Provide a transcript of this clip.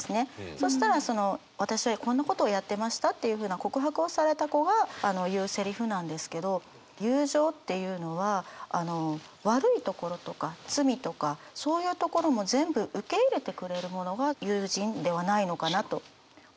そしたらその私こんなことやってましたっていうふうな告白をされた子が言うセリフなんですけど友情っていうのは悪いところとか罪とかそういうところも全部受け入れてくれる者が友人ではないのかなと思うんですよね。